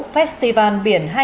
festival biển hai nghìn hai mươi ba